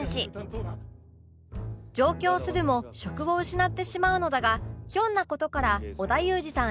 上京するも職を失ってしまうのだがひょんな事から織田裕二さん